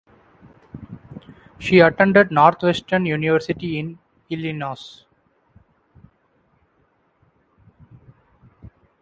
She attended Northwestern University in Illinois.